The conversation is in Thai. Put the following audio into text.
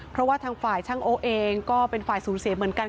เพราะว่าทางฝ่ายช่างโอ๊เองก็เป็นฝ่ายสูญเสียเหมือนกัน